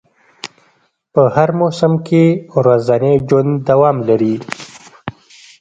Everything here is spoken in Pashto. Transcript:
په هر موسم کې ورځنی ژوند دوام لري